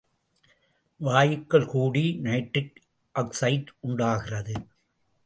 வாயுக்கள் கூடி nitric oxide உண்டாகிறது.